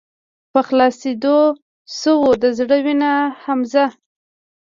په خلاصيدو شــوه د زړه وينه حمزه